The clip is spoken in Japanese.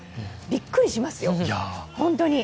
びっくりしますよ、本当に。